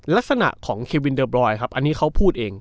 ลักษณะของเควินเดอร์บรอยครับอันนี้เขาพูดเอง